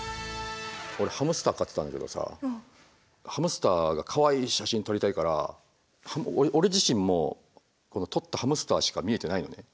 俺ハムスター飼ってたんだけどさハムスターがかわいい写真撮りたいから俺自身も撮ったハムスターしか見えてないのね。